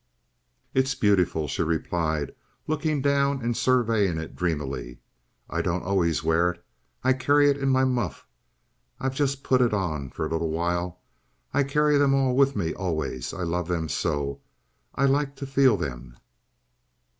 "It's beautiful," she replied, looking down and surveying it dreamily. "I don't always wear it. I carry it in my muff. I've just put it on for a little while. I carry them all with me always. I love them so. I like to feel them."